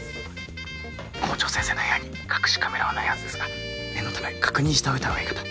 校長先生の部屋に隠しカメラはないはずですが念のため確認しておいた方がいいかと。